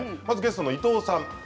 まずゲストのいとうさん。